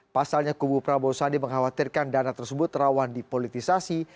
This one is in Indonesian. pasalnya kubu prabowo sandi mengkhawatirkan dana tersebut rawan dipolitisasi